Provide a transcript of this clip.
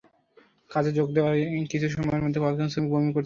কাজে যোগ দেওয়ার কিছু সময়ের মধ্যে কয়েকজন শ্রমিক বমি করতে থাকেন।